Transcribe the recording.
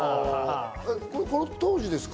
この当時ですか？